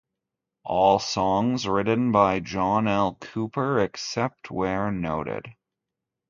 All songs written by John L. Cooper, except where noted.